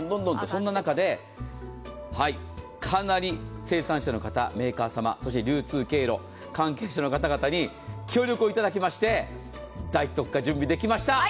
その中でかなり生産者の方、メーカー様流通経路関係者の方々に協力をいただきまして大特価、準備できました。